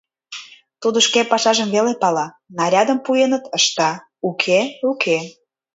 Тудо шке пашажым веле пала: нарядым пуэныт — ышта, уке — уке!